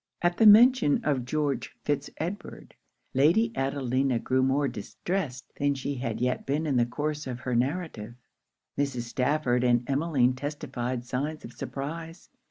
At the mention of George Fitz Edward, Lady Adelina grew more distressed than she had yet been in the course of her narrative. Mrs. Stafford and Emmeline testified signs of surprize.